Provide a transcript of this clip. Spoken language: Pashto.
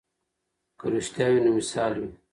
که رښتیا وي نو وصال وي.